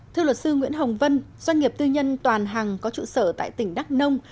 thưa luật sư nguyễn hồng vân doanh nghiệp tư nhân toàn hằng có trụ sở tại tỉnh đắk nông